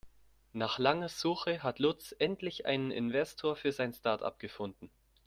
Nach langer Suche hat Lutz endlich einen Investor für sein Startup gefunden.